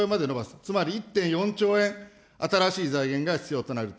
つまり１．４兆円、新しい財源が必要となると。